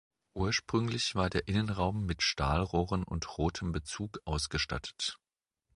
Ursprünglich war der Innenraum mit Stahlrohren und rotem Bezug ausgestattet.